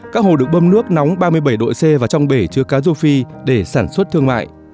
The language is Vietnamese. các hồ được bơm nước nóng ba mươi bảy độ c vào trong bể chứa cá rô phi để sản xuất thương mại